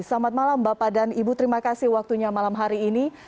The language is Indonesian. selamat malam bapak dan ibu terima kasih waktunya malam hari ini